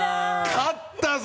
勝ったぞ！